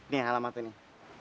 nih alamatnya nih